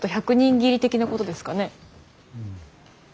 斬り的なことですかね？